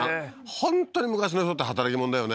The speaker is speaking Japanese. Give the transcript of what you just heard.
本当に昔の人って働きもんだよね